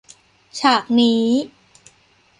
ฉากนี้